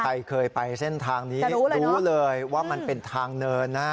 ใครเคยไปเส้นทางนี้รู้เลยว่ามันเป็นทางเนินนะ